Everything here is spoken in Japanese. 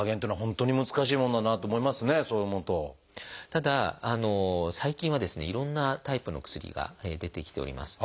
ただ最近はですねいろんなタイプの薬が出てきております。